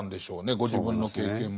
ご自分の経験も。